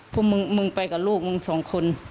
พวกมึงมึงไปกับลูกมึงสองคน